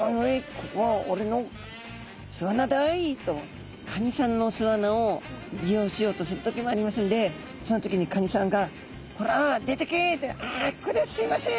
ここは俺の巣穴だい」とカニさんの巣穴を利用しようとする時もありますんでその時にカニさんが「こら出てけ！」って「あこりゃすいません！」